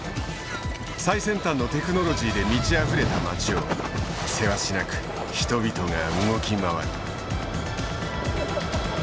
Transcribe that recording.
最先端のテクノロジーで満ちあふれた街をせわしなく人々が動き回る。